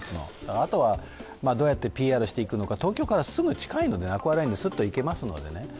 あとはどうやってＰＲしていくのか、東京からすぐ近いので、アクアラインでスッと行けますのでね。